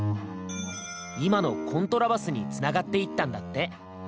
今のコントラバスにつながっていったんだって。